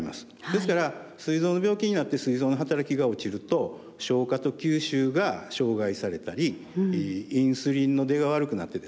ですからすい臓の病気になってすい臓の働きが落ちると消化と吸収が障害されたりインスリンの出が悪くなってですね